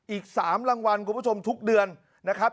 อีกสามรางวัลทุกเดือนนะครับ